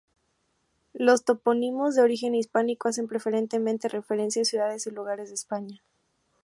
Los topónimos de origen hispánico hacen preferentemente referencia a ciudades y lugares de España.